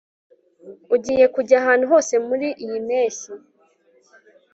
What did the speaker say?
ugiye kujya ahantu hose muriyi mpeshyi